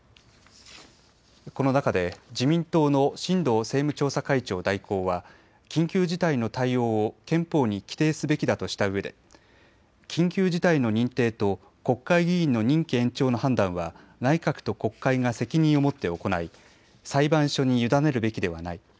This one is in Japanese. この中で自民党の新藤政務調査会長代行は緊急事態の対応を憲法に規定すべきだとしたうえで緊急事態の認定と国会議員の任期延長の判断は内閣と国会が責任を持って行い裁判所に委ねるべきではない。